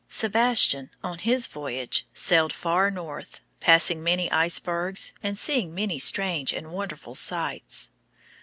Sebastian on his voyage sailed far north, passing many icebergs, and seeing many strange and wonderful sights.